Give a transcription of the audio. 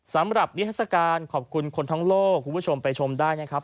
สำหรับนิทัศกาลขอบคุณคนทั้งโลกคุณผู้ชมไปชมได้นะครับ